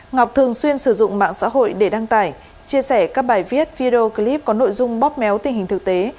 ngọc thường xuyên sử dụng mạng xã hội để đăng tải chia sẻ các bài viết video clip có nội dung bóp méo tình hình thực tế